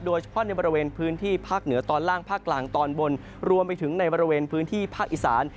โดยเฉพาะในบริเวณพื้นที่ภาคเหนือตอนล่างภาคกลางตอนบนรวมไปถึงในบริเวณพื้นที่ภาคอีสาน